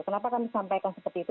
kenapa kami sampaikan seperti itu